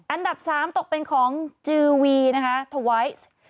อันดับ๓ตกเป็นของจือวีนะคะทวายซ์